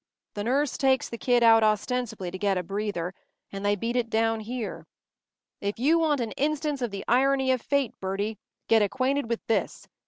The nurse takes the kid out ostensibly to get a breather, and they beat it down here. If you want an instance of the irony of fate, Bertie, get acquainted with this.